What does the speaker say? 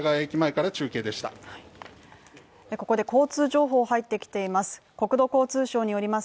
ここで交通情報入ってきています。